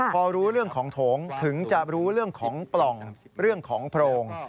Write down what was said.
พอรู้เรื่องของโถงถึงจะรู้เรื่องของปล่องเรื่องของโพรง